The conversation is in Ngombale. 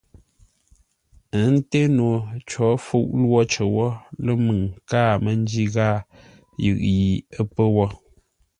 Ə́ ńté no có fuʼ lwo cər wó lə́ məŋ káa mə́ njí ghâa yʉʼ yi ə́ pə́ wó.